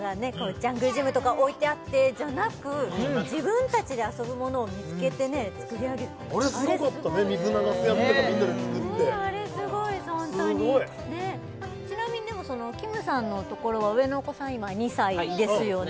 ジャングルジムとか置いてあってじゃなく自分達で遊ぶものを見つけてね作り上げてあれすごかったね水流すやつとかみんなで作ってあれすごいホントにすごいちなみにきむさんのところは上のお子さん今２歳ですよね